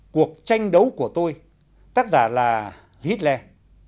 cuộc tranh đấu của tôi tác giả là hitler